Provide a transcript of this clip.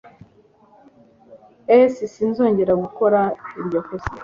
S Sinzongera gukora iryo kosa